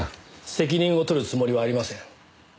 責任を取るつもりはありません。